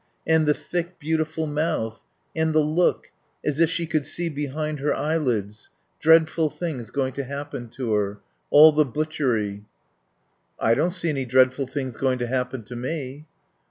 And the thick, beautiful mouth.... And the look as if she could see behind her eyelids dreadful things going to happen to her. All the butchery." "I don't see any dreadful things going to happen to me."